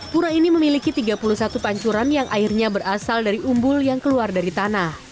pura ini memiliki tiga puluh satu pancuran yang airnya berasal dari umbul yang keluar dari tanah